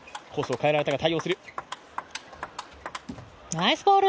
ナイスボール。